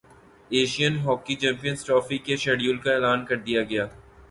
Asian Hockey Champions Trophy کے schedule کا اعلان کردیا گیا